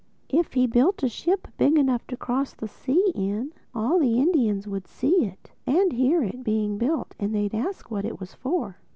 If he built a ship big enough to cross the sea in, all the Indians would see it, and hear it, being built; and they'd ask what it was for.